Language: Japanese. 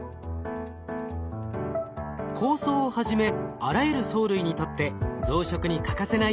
紅藻をはじめあらゆる藻類にとって増殖に欠かせない栄養素が窒素です。